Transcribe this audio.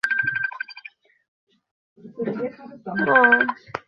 অন্যান্য প্রায় সকল ধর্মে কেবল সত্যের চরম অনুভূতির উপায়টিই রক্ষিত হইয়াছে।